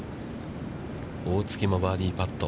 大槻もバーディーパット。